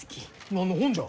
何の本じゃ？